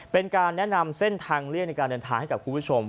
เป็นการแนะนำเส้นทางเลี่ยงในการเดินทางให้กับคุณผู้ชม